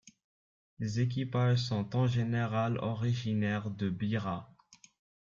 Les équipages sont en général originaires de Bira.